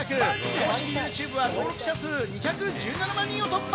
公式ＹｏｕＴｕｂｅは登録者数２１７万人を突破。